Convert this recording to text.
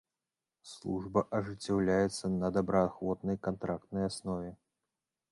Служба ажыццяўляецца на добраахвотнай кантрактнай аснове.